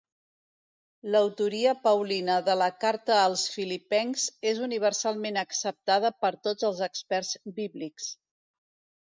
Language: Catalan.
L'autoria paulina de la Carta als Filipencs és universalment acceptada per tots els experts bíblics.